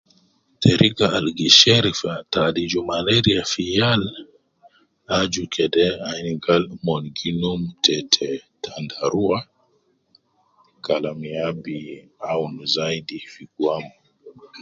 Teriga al gisher te aliju malaria fi yal, aju kede ayin gal mon gi num tete tandarua kalam ya bi awun zaidi fi gwam